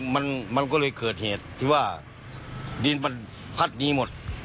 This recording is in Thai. มันมันก็เลยเกิดเหตุที่ว่าดินมันพัดดีหมด